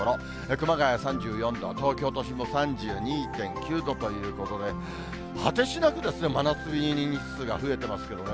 熊谷３４度、東京都心も３２．９度ということで、果てしなく真夏日日数が増えてますけどね。